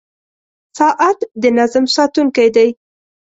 • ساعت د نظم ساتونکی دی.